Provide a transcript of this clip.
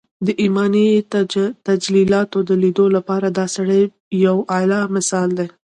د ايماني تجلياتو د ليدو لپاره دا سړی يو اعلی مثال دی